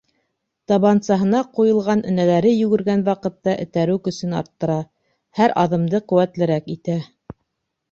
Табансаһына ҡуйылған энәләре йүгергән ваҡытта этәреү көсөн арттыра, һәр аҙымды ҡеүәтлерәк итә.